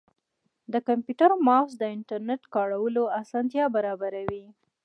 د کمپیوټر ماؤس د انټرنیټ کارولو اسانتیا برابروي.